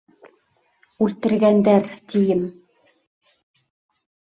Үлтергәндәр, тием.